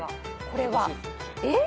これは？えっ？